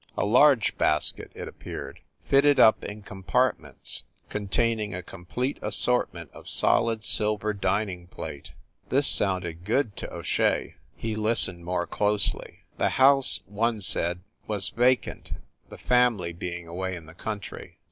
A large basket, it appeared, fitted up in compart ments, containing a complete assortment of solid silver dining plate. This sounded good to O Shea. He listened more closely. The house, one said, was vacant, the family being away in the country.